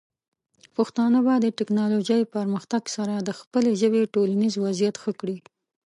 پښتانه به د ټیکنالوجۍ پرمختګ سره د خپلې ژبې ټولنیز وضعیت ښه کړي.